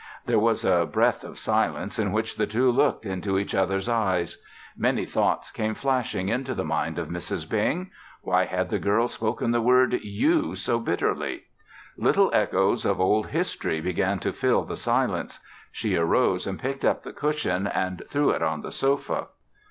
There was a breath of silence in which the two looked into each other's eyes. Many thoughts came flashing into the mind of Mrs. Bing. Why had the girl spoken the word "you" so bitterly? Little echoes of old history began to fill the silence. She arose and picked up the cushion and threw it on the sofa.